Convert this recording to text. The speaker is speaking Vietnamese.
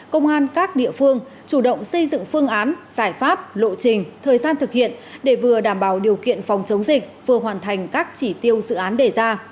công an các địa phương chủ động xây dựng phương án giải pháp lộ trình thời gian thực hiện để vừa đảm bảo điều kiện phòng chống dịch vừa hoàn thành các chỉ tiêu dự án đề ra